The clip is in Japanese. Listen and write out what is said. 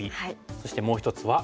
そしてもう一つは？